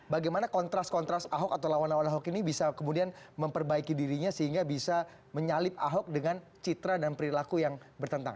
bagaimana kontras kontras ahok atau lawan lawan ahok ini bisa kemudian memperbaiki dirinya sehingga bisa menyalip ahok dengan citra dan perilaku yang bertentangan